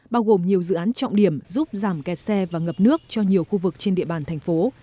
bao gồm nhiều dự án trọng điểm giúp giảm kẹt xe và ngập nước cho nhiều khu vực trên địa bàn thành phố